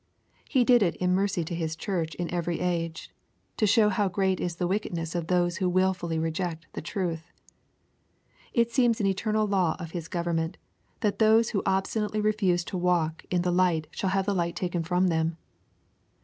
He did it in mercy to His Church in every age, to show how great is the wickedness of those who wilfully reject the truth. It seems an eternal law of His government, that those who obstinately refuse to walk in the light shall have the light taken from them.